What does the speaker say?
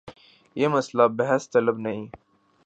یہ مسئلہ بحث طلب نہیں۔